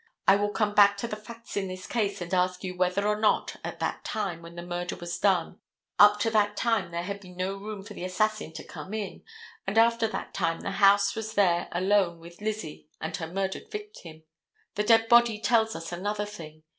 I will come back to the facts in this case and ask you whether or not, at that time when the murder was done—up to that time there had been no room for the assassin to come in, and after that time the house was there alone with Lizzie and her murdered victim. The dead body tells us another thing.